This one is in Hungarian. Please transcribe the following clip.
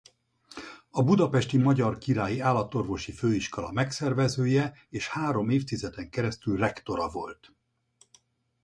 A budapesti Magyar Királyi Állatorvosi Főiskola megszervezője és három évtizeden keresztül rektora volt.